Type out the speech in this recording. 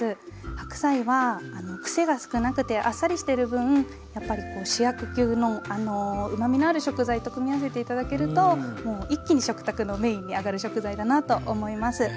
白菜は癖が少なくてあっさりしてる分やっぱり主役級のうまみのある食材と組み合わせて頂けるともう一気に食卓のメインに上がる食材だなと思います。